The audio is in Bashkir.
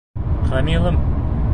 Камилым.